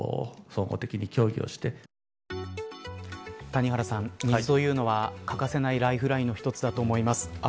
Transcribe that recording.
谷原さん水は欠かせないライフラインの一つだと思います。